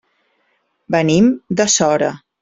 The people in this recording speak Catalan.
Venim de Sora.